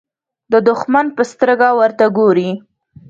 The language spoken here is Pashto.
د دښمن په سترګه ورته ګوري.